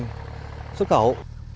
khoai xuất khẩu